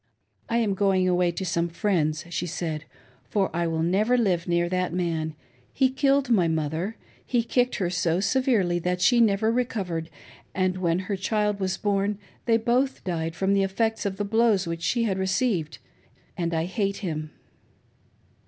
" I am going away to some friends," she said, "for I will never live near that man — he killed my mother ; he kicked her so severely that she never recovered, and when her child was born, they both died from the effects of the blows which she had received— and I hate him."